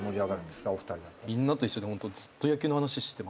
みんなと一緒でホント。